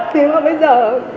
thế mà bây giờ